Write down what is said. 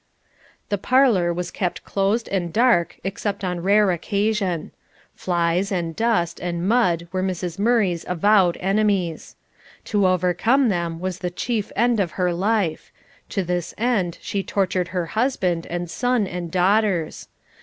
The parlour was kept closed and dark, except on rare occasion. Flies, and dust, and mud were Mrs. Murray's avowed enemies. To overcome them was the chief end of her life; to this end she tortured her husband, and son, and daughters.